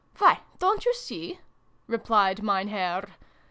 " Why, don't you see ?" replied Mein Herr.